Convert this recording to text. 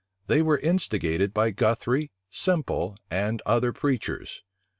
They were instigated by Guthry, Semple, and other preachers.